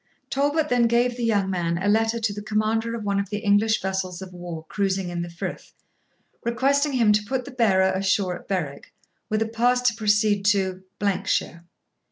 Talbot then gave the young man a letter to the commander of one of the English vessels of war cruising in the frith, requesting him to put the bearer ashore at Berwick, with a pass to proceed to shire.